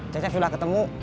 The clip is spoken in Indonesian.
cecep sudah ketemu